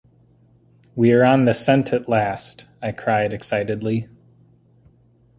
“We’re on the scent at last,” I cried excitedly.